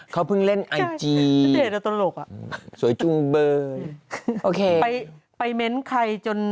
เขาเพิ่งเล่นไอจีเด็กแต่ตลกอ่ะสวยจุงเบยโอเคไปไปเม้นต์ใครจน